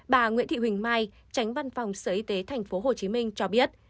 bà nguyễn thị huỳnh mai tránh văn phòng sở y tế tp hcm cho biết